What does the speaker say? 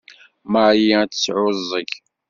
Marie ad tesɛuẓẓeg.